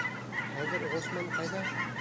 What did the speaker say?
Хәҙер Ғосман ҡайҙа?